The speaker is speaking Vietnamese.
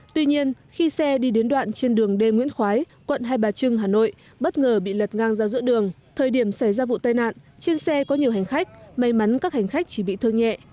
tuy nhiên khi xe đi đến đoạn trên đường d nguyễn khói quận hai bà trưng hà nội bất ngờ bị lật ngang ra giữa đường thời điểm xảy ra vụ tai nạn trên xe có nhiều hành khách may mắn các hành khách chỉ bị thương nhẹ